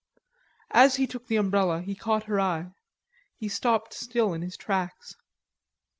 As he took the umbrella he caught her eye. He stopped still in his tracks.